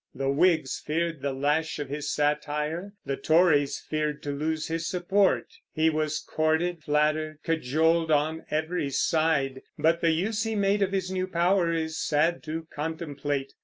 The Whigs feared the lash of his satire; the Tories feared to lose his support. He was courted, flattered, cajoled on every side; but the use he made of his new power is sad to contemplate.